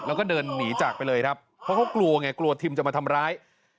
แล้วก็เดินหนีจากไปเลยครับเพราะเขากลัวไงกลัวทิมจะมาทำร้าย